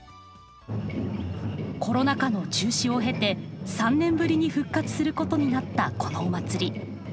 コロナ禍の中止を経て３年ぶりに復活することになったこのお祭り。